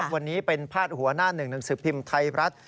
วันนี้เป็นพาดหัวหน้าหนึ่งหนังสือพิมพ์ไทยรัฐ